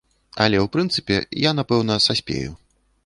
Але ў прынцыпе, я, напэўна, саспею.